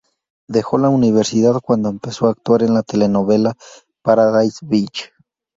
Dejó la universidad cuando empezó a actuar en la telenovela "Paradise Beach".